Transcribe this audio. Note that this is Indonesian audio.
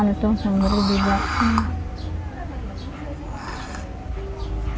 orang tidak mampu juga sama samaan itu